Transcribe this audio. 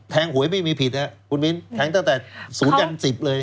แทงหวยไม่มีผิดนะครับคุณวินแทงตั้งแต่ศูนย์อันสิบเลย